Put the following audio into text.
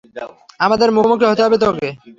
তাদের মুখোমুখি হতে হবে তোকে।